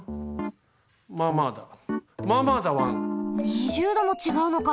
２０℃もちがうのか！